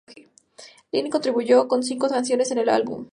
Lennon contribuyó con cinco canciones en el álbum.